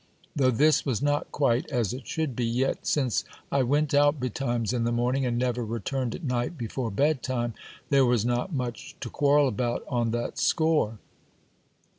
Though this was not quite as it should be, yet since I went out betimes in the morning, and never returned at night before bed time, there was not much to quarrel about on that score.